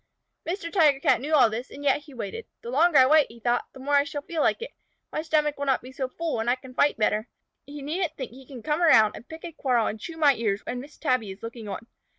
Mr. Tiger Cat knew all this, and yet he waited. "The longer I wait," he thought, "the more I shall feel like it. My stomach will not be so full and I can fight better. He needn't think he can come around and pick a quarrel and chew my ears when Miss Tabby is looking on.